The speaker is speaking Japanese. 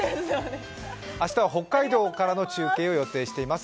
明日は北海道からの中継を予定しています。